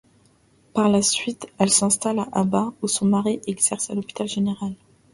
Par la suite, elle s'installe à Aba, où son mari exerce à l'hôpital général.